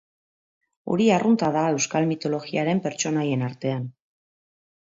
Hori arrunta da euskal mitologiaren pertsonaien artean.